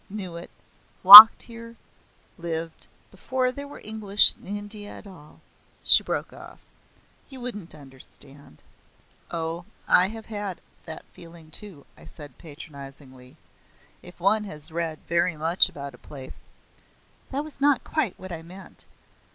Knew it walked here, lived. Before there were English in India at all." She broke off. "You won't understand." "Oh, I have had that feeling, too," I said patronizingly. "If one has read very much about a place " "That was not quite what I meant.